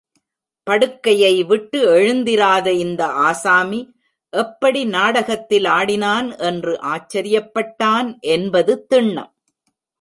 படுக்கையை விட்டு எழுந்திராத இந்த ஆசாமி எப்படி நாடகத்தில் ஆடினான் என்று ஆச்சரியப்பட்டான் என்பது திண்ணம்.